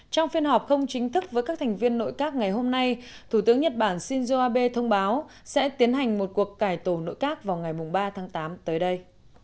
trong phiên họp không chính thức với các thành viên nội các ngày hôm nay thủ tướng nhật bản shinzo abe thông báo sẽ tiến hành một cuộc cải tổ nội các vào ngày ba tháng tám tới đây